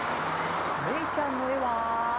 めいちゃんのえは？